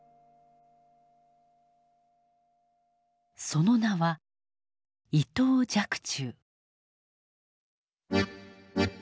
その名は伊藤若冲。